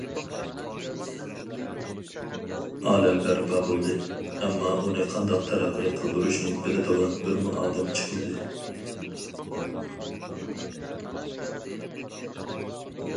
ئالەم بەرپا بولدى، ئەمما ئۇنى قانداق تەرەققىي قىلدۇرۇشنى بىلىدىغان بىرمۇ ئادەم چىقمىدى.